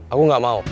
aku gak mau